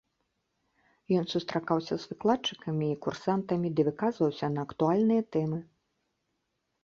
Ён сустракаўся з выкладчыкамі і курсантамі ды выказаўся на актуальныя тэмы.